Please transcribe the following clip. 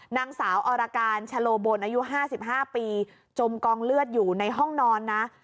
นางสาวอรการชะโลบนอายุ๕๕ปีจมกองเลือดอยู่ในห้องนอนนะ